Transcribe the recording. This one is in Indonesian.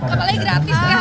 apalagi gratis ya